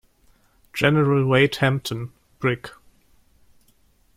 General Wade Hampton, Brig.